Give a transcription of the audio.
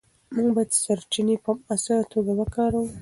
موږ باید سرچینې په مؤثره توګه وکاروو.